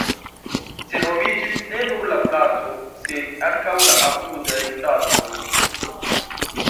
Senhomiĝis ne nur la placo, sed ankaŭ la apudaj stratoj.